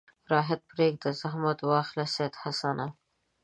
راحت پرېږده زحمت واخله سید حسنه.